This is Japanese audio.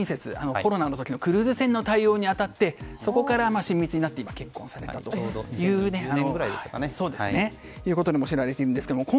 コロナの時のクルーズ船の対応に当たって、そこから親密になって結婚されたということが知られているんですけれども